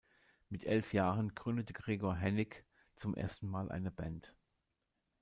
Mit elf Jahren gründete Gregor Hennig zum ersten Mal eine Band.